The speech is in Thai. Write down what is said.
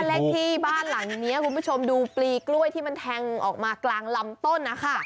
เลขที่บ้านหลังนี้คุณผู้ชมดูปลีกล้วยที่มันแทงออกมากลางลำต้นนะคะ